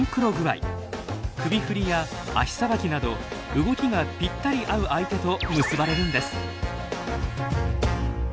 首振りや足さばきなど動きがぴったり合う相手と結ばれるんです。